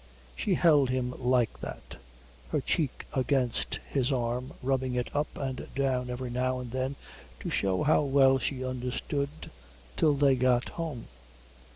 She held him like that, her cheek against his arm, rubbing it up and down every now and then to show how well she understood, till they got home.